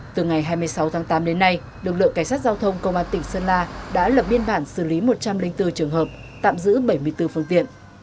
từ ngày hai mươi sáu tháng tám đến nay lực lượng cảnh sát giao thông công an tỉnh sơn la đã lập biên bản xử lý một trăm linh bốn trường hợp tạm giữ bảy mươi bốn phương tiện